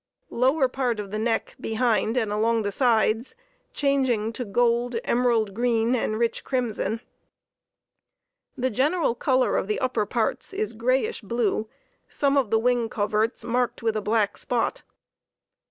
Lower part of the neck behind, and along the sides, changing to gold, emerald green, and rich crimson. The general color of the upper parts is grayish blue, some of the wing coverts marked with a black spot.